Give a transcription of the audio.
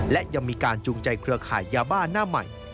และยังมีการจูงใจเครือข่ายยาบ้าหน้าใหม่